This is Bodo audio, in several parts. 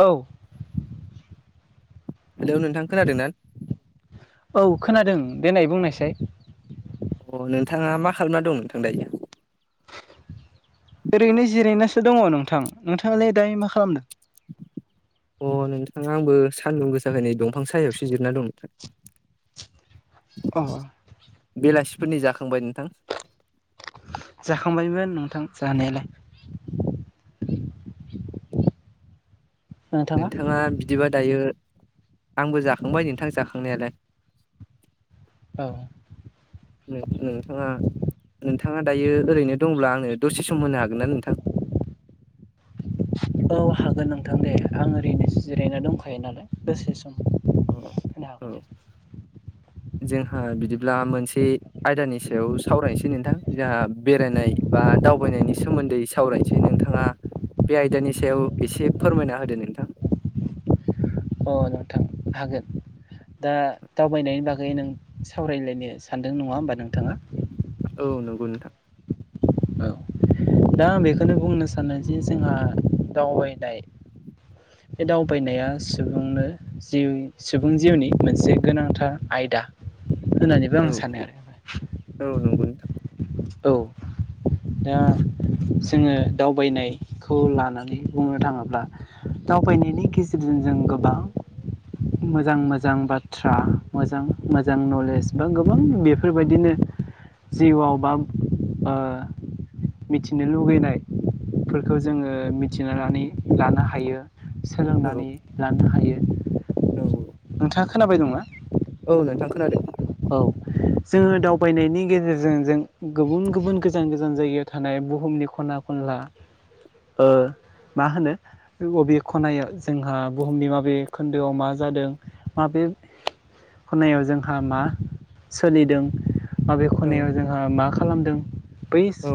औ हेलौ नोंथां खोनादों ना? औ खोनादों देनाय बुंनायसाय। अ नोंथाङा मा खालामना दं नोंथां दायो? ओरैनो जिरायनासो दङ नोंथां नोंथाङालाय दायो मा खालामदों? अ नोंथां आंबो सान्दुं गोसाखाय नै दंफां सायाव जिरायना दं नोंथां। अह। बेलासिफोरनि जाखांबाय नोंथां? जाखांबायमोन नोंथां जानायालाय। नोंथाङा बिदिबा दायो आंबो जाखांबाय नोंथां जाखांनायालाय। औ। नों-नोंथाङा नोंथाङा दायो ओरैनो दंब्ला आंनो दसे सम होनो हागोन ना नोंथां? औ हागोन नोंथां दे आं ओरैनोसो जिरायना दंखायो नालाय दसे सम। अ [unintelligible] औ हागोनदे। जोंहा बिदिब्ला मोनसे आयदानि सायाव सावरायनोसै नोंथां जोंहा बेरायनाय बा दावबायनायनि सोमोन्दै सावरायनोसै नों थाङा बे आयदानि सायाव एसे फोरमायना होदो नोंथां। अ नोंथां हागोन। दा दावबायनायनि बागै नों सावरायलायनो सानदों नङा होमबा नोंथाङा? औ नंगौ नोंथां। औ दा आं बेखौनो बुंनो सानोदि जोंहा दावबायनाय बे दावबायनाया सुबुंनो जिउ सुबुं जिउनि मोनसे गोनांथार आयदा होननानै औ औ नंगौ नोंथां। औ। दा जोङो दावबायनायखौ लानानै बुंनो थाङोब्ला दावबायनायनि गेजेरजों जों गोबां मोजां मोजां बाथ्रा मोजां मोजां नलेज बा गोबां बेफोरबायदिनो जिउआव बा ओह मिथिनो लुबैनायफोरखौ जोङो मिथिनानै लानो हायो। औ सोलोंनानै लानो हायो। औ नोंथाङा खोनाबाय दंना औ नोंथां खोनादों। औ जोङो दावबायनायनि गेजेरजों जों गुबुन गुबुन गोजान गोजान जायगायाव थानाय बुहुमनि खना खनला ओ मा होनो बबे खनाया जोंहा बुहुमनि माबे खोन्दोआव मा जादों माबे खनायाव जोंहा मा सोलिदों माबे औ खनायाव जोंहा मा खालामदों बै औ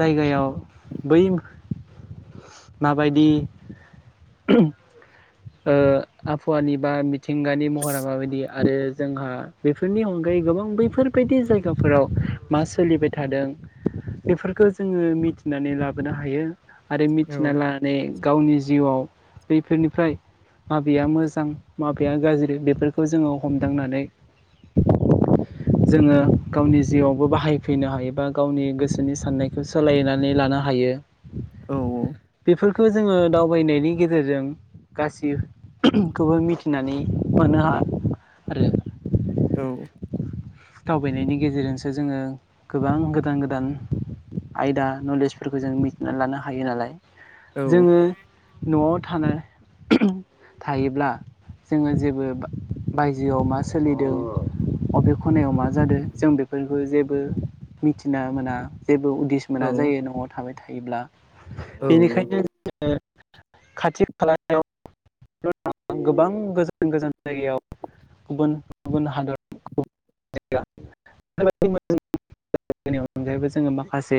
जायगायाव बै माबायदि ओ आबहावानि बा मिथिंगानि महरा माबायदि आरो जोंहा बेफोरनि अनगायै गोबां बैफोरबायदि जायगाफोराव मा सोलिबाय थादों बेफोरखौ जोङो मिथिनानै लाबोनो हायो आरो औ मिथिना माने गावनि जिउआव बैफोरनिफ्राय माबेया मोजां माबेया गाज्रि बेफोरखौ जोङो हमदांनानै जोङो गावनि जिउआवबो बाहायफैनो हायोबा गावनि गोसोनि साननायखौ सोलायनानै लानो हायो। औ औ। फोरख जोङो दावबायनायनि गेजेरजों गासिखौबो मिथिनानै मोनो हाया आरो औ दावबायनायनि गेजेरजोंसो जोङो गोबां गोदान गोदान आयदा नलेजफोरखौ जों मिथिनानै लानो हायो नालाय जोङो न'आव थानो थायोब्ला जोङो जेबो बायजोआव मा सोलिदों अबेखौ खनायाव मा जादों जों बेफोरखौ जेबो मिथिना मोना जेबो उदिस औ मोना जायो न'आव थाबाय थायोब्ला औ बेनिखायनो खाथि खालायाव गोबां गोजान गोजान जायगायाव [unintelligible] गुबुन गुबुन हादर बेनि अनगायैबो [unintelligible] जोङो माखासे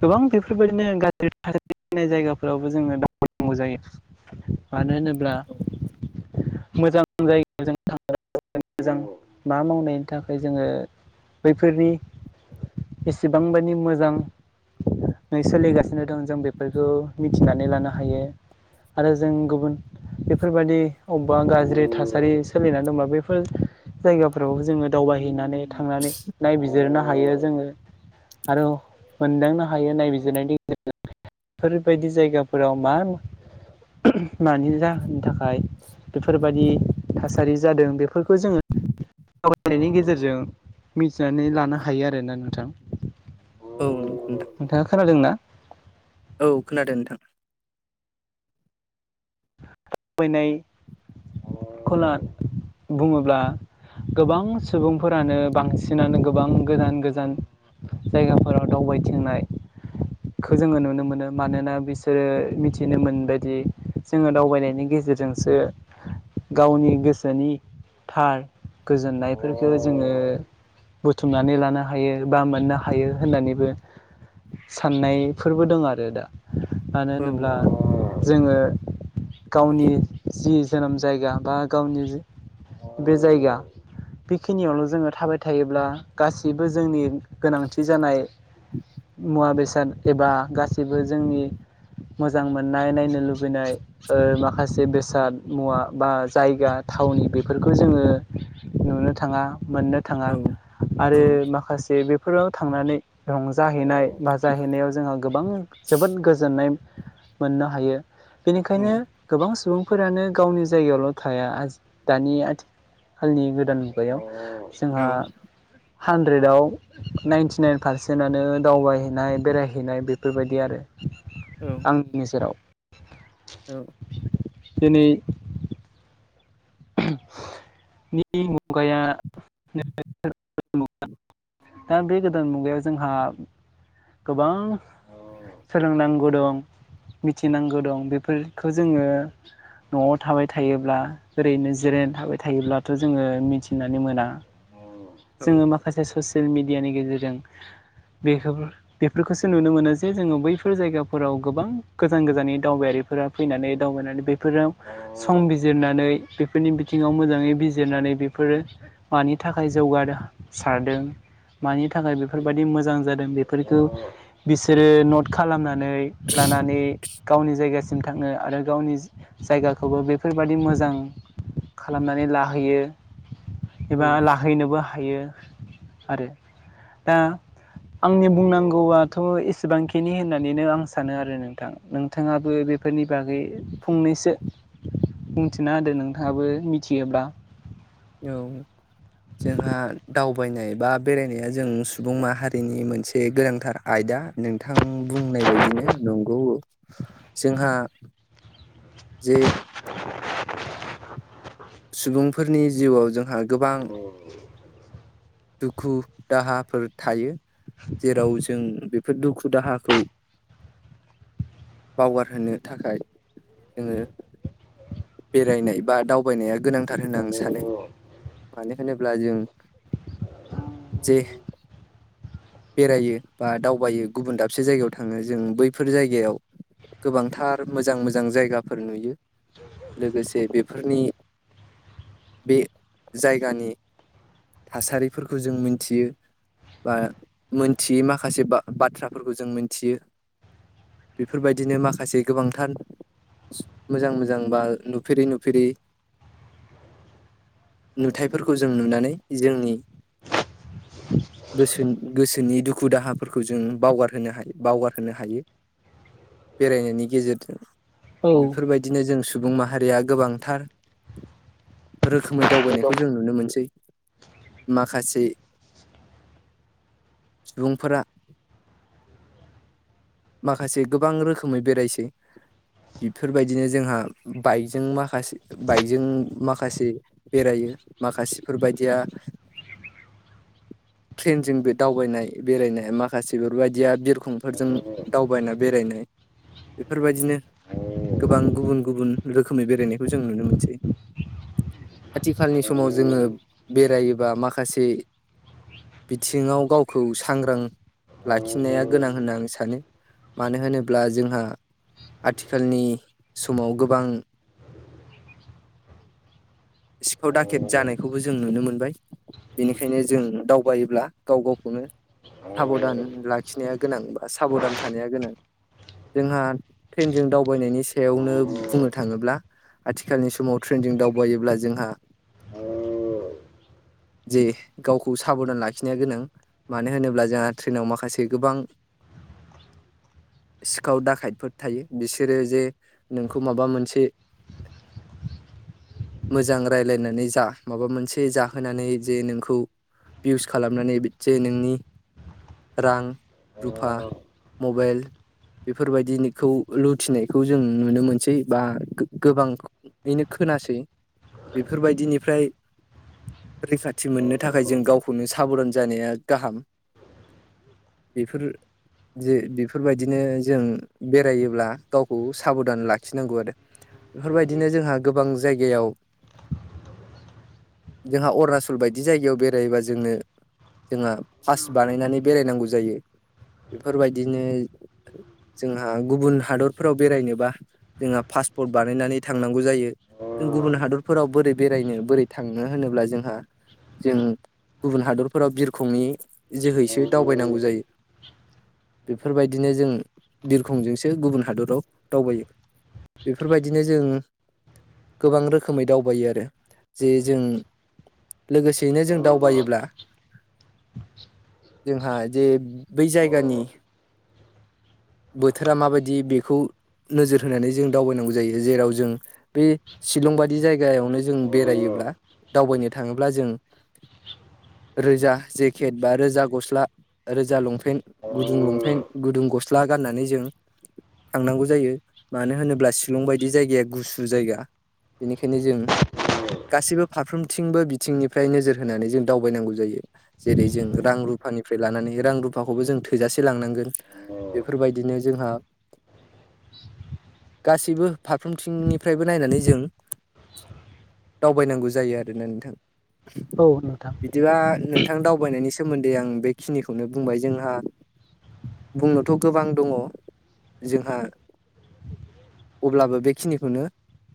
गोबां बेफोरबायदिनो गाज्रि थासनाय जायगाफोरावबो जोङो दावनांगौ जायो मानो होनोब्ला मोजां जायगाजों थां मोजां। मा मावनायनि थाखाय जोङो बैफोरनि एसेबांबानि मोजां। न सोलिगासिनो दं जों बेफोरखौ मिथिनानै लानो हायो। आरो जों गुबुन बेफोरबायाददि अबेबा गाज्रि थासारि सोलिनानै दंबा बेफोर जायगाफ्रावबो जोङो दावबायहैनानै थांनानै नायबिजिरनो हायो जोङो। आरो मोनदांनो हायो नायबिजिरनायनि गेजेरजों बेफोरबायदि जायगाफोराव मा मानिबा होनो थाखाय बेफोरबायादि थासारि जादों बेफोरखौ जोङो सावरायनायनि गेजेरजों मिथिनानै लानो हायो आरोना नोंथां। औ नोंगो नोंथां। नोंथाङा खोनादों ना? औ खोनादों नोंथां। फोयनाय खौला बुङोब्ला गोबां सुबुंफोरानो बांसिनानो गोबां गोजान गोजान जायगाफोराव दावबायथिंनाय खौ जोङो नुनो मोनो मानोना बिसोरो मिथिनो मोनबायदि जोङो दावबायनायनि गेजेरजोंसो गावनि गोसोनि थार गोजोननायफोरखौ जोङो बुथुमनानै लानो हायो बा मोननो हायो होननानैबो। साननायफोरबो दं आरो दा मानो औ होनोब्ला जोङो गावनि जि जोनोम जायगा बा गावनि जि बे जायगा बेखिनियावल जोङो थाबाय थायोब्ला गासैबो जोंनि गोनांथि जानाय मुवा बेसाद एबा गासिबो जोंनि मोजां मोननाय नायनो लुबैनाय। ओ माखासे बेसाद मुवा बा जायगा थावनि बेफोरखौ जोङो नुनो थाङा मोननो थाङा औ औ आरो माखासे बे फोराव थांनानै रंजाहैनाय बाजाहैनायाव जोंहा गोबां जोबोद गोजोन्नाय मोननो हायो औ बेनिखायनो गोबां सुबुंफोरानो गावनि जायगायावल' थाया दानि आथिखाल हालनि गोदान मुगायाव जोंहा हानद्रेदाव नाइनटि नाइन पारसेन्टआनो दावबायहैनाय बेरायहैनाय बेफोरबायदि आनो उम आंनि नोेजेराव औ दिनै नि मुगाया [unintelligible] दा बे गोदान मुगायाव जोंहा गोबां सोलोंनांगौ दं मिथिनांगौ दं बेफोरखौ जोङो न'आव थाबाय थायोब्ला ओरैनो जिरायनानै थाबाय थायोब्लाथ' जोङो मिथिनानै मोना औ जोङो माखा माखासे ससियेल मेडियानि गेजेरजों बेखौ बेफोरखौसो नुनो मोनो जे जोङो बैफोर जायगाफोराव गोबां गोजान गोजाननि दावबायारिफोरा फैनानै दावबायनानै बेफोराव सम बिजिरनानै बेफोरनि बिथिङाव मोजाङै बिजिर बिजिरनानै बेफोरो मानि थाखाय जौगानोसारदों मानि थाखाय बेफोरबायादि मोजां जादों बेफोरखौ बि सोरो नट खालामनानै लानानै गावनि जायगा सिम थाङो आरो गावनि जायगाखौबो बेफोरबादि मोजां खालामनानै लाहैयो एबा औ लाहैनोबो हायो आरो दा आंनि बुंनांगौआथ' एसेबांखिनि होननानैनो आं सानो आरो नोंथां बिथाङाबो बेफोरनि बागै फंनैसो बुंथिना होदो नों आहाबो मिथियोबा औ जोंहा दावबायनाय बा बेरायनाया जों सुबुं माहारिनि मोनसे गोनांथार आयदा नोंथां बुंनाय बायदिनो नंगौ जोंहा जे [inaudible] सुबुंफोरनि जिउआव जोंहा गोबां [unintelligible] दुखु दाहाफोर थायो जेराव जों बेफोर दुखु दाहाखौ बावगारहोनो थाखाय जोङो बेरायनाय बा दावबायनाया गोनांथार होनना आं सानो मानो होनोब्ला जों जे बेरायो बा दावबायो गुबुन दाबसे जायगायाव थाङो जों बैफोर जायगायाव गोबांथार मोजां मोजां जायगाफोर नुयो [inaudible] लोगोसे बेफोरनि बे जायगानि थासारिफोरखौ जों मिनथियो बा मिथियै माखासे बाथ्राफोरखौ जों मोनथियो बेफोरबायदिनो माखासे गोबांथार मोजां मोजां जांबा नुफेरि नुफेरि नुथायाइफोरखौ जों नुनानै जोंनि [inaudible] गोसो गोसोनि दुखु दाहाफोरखौ जों बावगारहोनो हायो बावगारहोनो हायो बेरायनायनि गेजेरजों औ बेफोरबायदि बिदिनो जों सुबुं माहारिया गोबांथार रोखोमै दावबायनायखौ जों नुनो मोनसै माखासे सुबुंफोरा माखासे गोबां रोखोमै बेरायसै बेफोरबायदिनो जोंहा बाइकजों माखासे बाइकजों माखासे बेरायो माखासेफोरबायदिया [unintelligible] ट्रेनजों बे दावबायनाय बेरायनाय माखासे फोरबायदिया बिरखंफोरजों दावबायना बेरायनाय बेफोरबायदिनो गोबां गुबुन गुबुन रोखोमै बेरायनायखौ जों नुनो मोनसै। आथिखालनि समाव जोङो बेरायोबा माखासे बिथिङाव गावखौ सांग्रां लाखिनाया गोनां होनना आं सानो मानो होनोब्ला जोंहा आथिखालनि समाव गोबां [inaudible] सिखाव दाखेद जानायखौबो जों नुनो मोनबाय बेनिखायनो जों दावबायोब्ला गाव गावखौनो साबधान लाखिनाया गोनां बा साबधान थानाया गोनां जोंहा ट्रेनजों दावबायनायनि सायावनो बुंनो थाङोब्ला आथिखालनि समाव ट्रेनजों दावबायोब्ला जोंहा [inaudible] जे गावखौ साबधान लाखिनाया गोनां मानो होनोब्ला जोंहा ट्रेनाव माखासे गोबां सिखाव दाखायदफोर थायो बिसोरो जे नोंखौ माबा मोनसे [inaudible] मोजां रायलायनानै जा माबा मोनसे जाहोनानै जे नोंखौ बिउस खालामनानै बिसे नोंनि रां रुफा मबाइल बेफोर बायदिखौ लुथिनायखौ जों नुनो मोनसै बा गोबां नो खोनासै बेफोरबायदिनिफ्राय रैखाथि मोननो थाखाय जों गाव खौनो साबधान जानाया गाहाम बेफोर जे बेफोरबायदिनो जों बेरायोब्ला गावखौ साबधान लाखिनांगौ आरो बेफोर बायदिनो जोंहा गोबां जायगायाव जोंहा अरुणाचल बायदि जायगायाव बेरायबा जोंनो जोंहा पास बानायनानै बेरायनांगौ जायो बेफोर बायदिनो जोंहा गुबुन हादरफोराव बेरायनोबा जोंहा पासपर्ट बानायनानै थांनांगौ जायो जों गुबुन हादरफोराव बोरै बेरायनो बोरै थांनो होनोब्ला जोंहा जों गुबुन हादरफोराव बिरखंनि जोहैसो दावबायनांगौ जायो बेफोर बायदिनो जों बिरखंजोंसो गुबुन हादराव दावबायो बेफोरबायदिनो जों गोबां रोखोमै दावबायो आरो जे जों लोगोसेयैनो जों दावबायोब्ला जोंहा जे बै जायगानि बोथोरा माबायदि बेखौ नोजोर होनानै जों दावबाय नांगौ जायो जेराव जों बे शिलं बादि जायगायावनो जों बेरायोब्ला दावबायनो थाङोब्ला जों रोजा जेकेट बा रोजा गस्ला रोजा लंपेन्ट गुदुं लंपेन्ट गुदुं गस्ला गाननानै जों थांनांगौ जायो मानो होनोब्ला शिलं बायदि जायगाया गुसु जायगा बेनिखायनो जों गासैबो फारफ्रोमथिंबो बिथिंनिफ्राय नोजोर होनानै जों दावबाय नांगौ जायो जेरै जों रां रुफानिफ्राय लानानै रां रुफा रुफाखौबो जों थोजासे लांनांगोन बेफोर बायदिनो जोंहा [inaudible] गासैबो फारफ्रोमथिंनिफ्रायबो नायनानै जों दावबाय नांगौ जायो आरोना नोंथां औ नोंथां बिदिबा नोंथां दावबायनायनि सोमोन्दै आं बेखिनिखौनो बुंबाय जोंहा बुंनोथ' गोबां दङ जोंहा अब्लाबो बेखिनिखौनो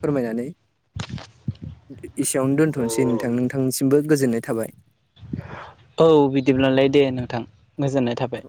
फोरमायनानै एसेयावनो दोन्थ'नोसै नोंथां नोंथांनिसिमबो गोजोननाय थाबाय औ बिदिब्लालाय दे नोंथां मोजोननाय थाबाय।